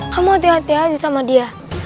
kamu hati hati aja sama dia